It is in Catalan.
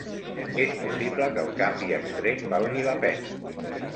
És possible que el canvi extrem valgui la pena.